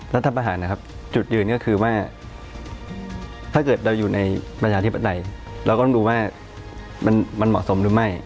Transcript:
เราก็ต้องดูว่ามันเหมาะสมหรือไม่